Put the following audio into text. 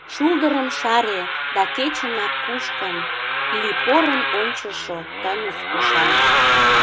Шулдырым шаре да, кечынак кушкын, Лий порын ончышо, тыныс ушан.